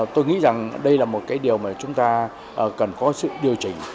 tôi nghĩ rằng đây là một cái điều mà chúng ta cần có sự điều chỉnh